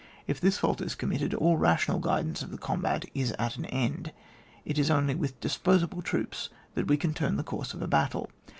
If this fault is committed, all rational guidance of the combat is at an end ; it is only with disposable trooi)8 that we can turn the course of a battle.